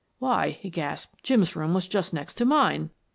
" Why," he gasped, " Jim's room was just next to mine!"